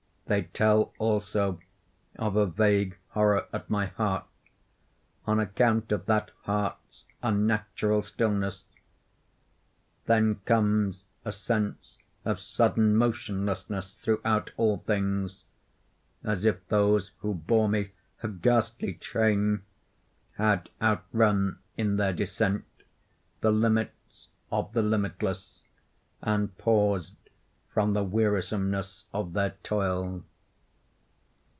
They tell also of a vague horror at my heart, on account of that heart's unnatural stillness. Then comes a sense of sudden motionlessness throughout all things; as if those who bore me (a ghastly train!) had outrun, in their descent, the limits of the limitless, and paused from the wearisomeness of their toil.